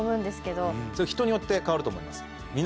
ひとによって変わると思います。